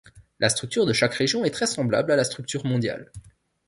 La structure de chaque région est très semblable à la structure mondiale.